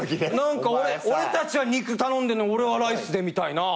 俺たちは肉頼んでんのに俺はライスでみたいな。